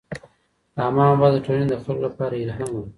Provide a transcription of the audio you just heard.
رحمان بابا د ټولنې د خلکو لپاره الهام و.